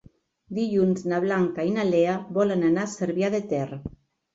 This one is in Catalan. Dilluns na Blanca i na Lea volen anar a Cervià de Ter.